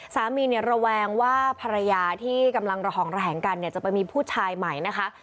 สามีเนี่ยระแวงว่าภรรยาที่กำลังระห่องระแหงกันเนี่ยจะไปมีผู้ชายใหม่นะคะ